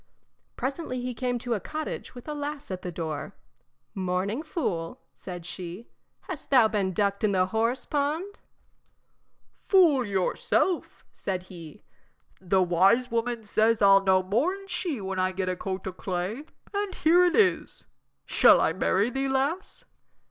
Presently he came to a cottage with a lass at the door. "Morning, fool," said she; "hast thou been ducked in the horse pond?" "Fool yourself," said he, "the wise woman says I'll know more 'n she when I get a coat o' clay, and here it is. Shall I marry thee, lass?"